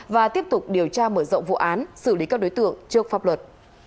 và tiếp tục điều tra mở rộng vụ án xử lý các đối tượng trước pháp luật